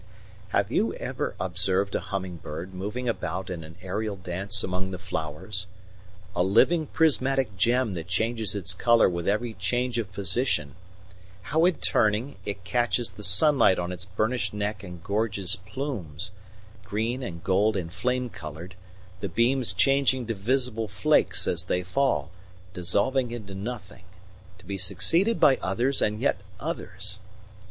Have you ever observed a humming bird moving about in an aerial dance among the flowers a living prismatic gem that changes its colour with every change of position how in turning it catches the sunshine on its burnished neck and gorges plumes green and gold and flame coloured, the beams changing to visible flakes as they fall, dissolving into nothing, to be succeeded by others and yet others?